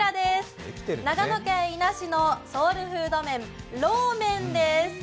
長野県伊那市のソウルフード麺・ローメンです。